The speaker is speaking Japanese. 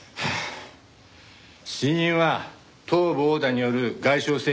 死因は頭部殴打による外傷性くも膜下出血。